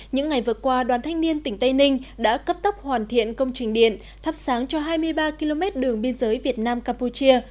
những ngày vừa qua đoàn thanh niên tỉnh tây ninh đã cấp tốc hoàn thiện công trình điện thắp sáng cho hai mươi ba km đường biên giới việt nam campuchia